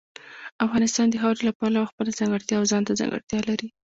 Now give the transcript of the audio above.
افغانستان د خاورې له پلوه خپله ځانګړې او ځانته ځانګړتیا لري.